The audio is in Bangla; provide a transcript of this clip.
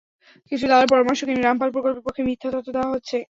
কিছু দালাল পরামর্শক এনে রামপাল প্রকল্পের পক্ষে মিথ্যা তথ্য দেওয়া হচ্ছে।